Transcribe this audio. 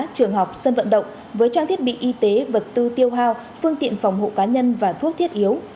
trường học sân vận động với trang thiết bị y tế vật tư tiêu hao phương tiện phòng hộ cá nhân và thuốc thiết yếu